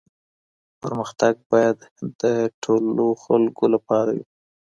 پرمختګ باید د ټولو خلګو لپاره وي.